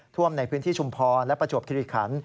ท่วมในพื้นที่ชุมพรและประจวบคิริขัน